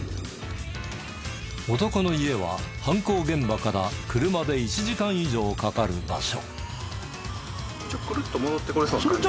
男の家は犯行現場から車で１時間以上かかる場所。